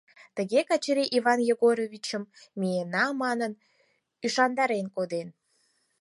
Тыге Качырий Иван Егоровичым миена манын, ӱшандарен коден.